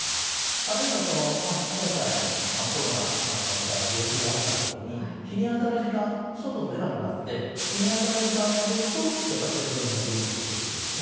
あるいは今回のコロナみたいな病気があった時に外に出なくなって日に当たる時間が減るとやっぱりセロトニンの分泌が減るんですね。